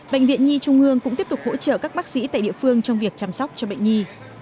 bệnh viện nhi trung hương cũng tiếp tục hỗ trợ các bác sĩ tại địa phương trong việc chăm sóc cho bệnh nhi